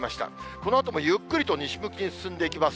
このあともゆっくりと西向きに進んでいきます。